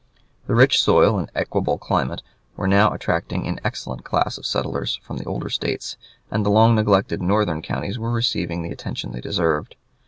The rich soil and equable climate were now attracting an excellent class of settlers from the older States, and the long neglected northern counties were receiving the attention they deserved.